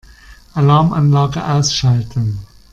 Alarmanlage ausschalten.